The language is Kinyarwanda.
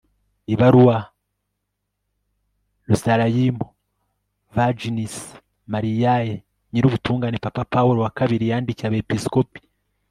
ibaruwa rosarium virginis mariae, nyirubutungane papa pawulo wa ii, yandikiye abepiskopi